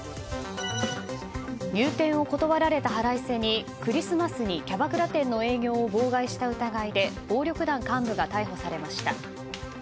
入店を断られた腹いせにクリスマスにキャバクラ店の営業を妨害した疑いで暴力団幹部が逮捕されました。